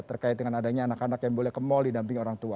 terkait dengan adanya anak anak yang boleh ke mal didamping orang tua